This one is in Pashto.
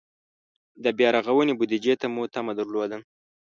د بیا رغونې بودجې ته مو تمه درلوده.